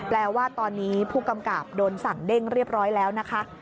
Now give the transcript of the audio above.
แปลว่าตอนนี้ผู้กำกับโดนสั่งเด้งเรียบร้อยแล้วนะคะ